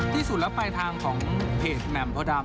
ที่สุดแล้วปลายทางของเพจแหม่มพดาม